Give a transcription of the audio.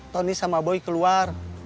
tony sama boy keluar